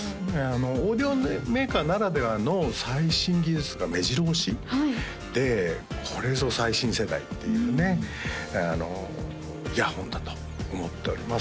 オーディオメーカーならではの最新技術がめじろ押しでこれぞ最新世代っていうねイヤホンだと思っております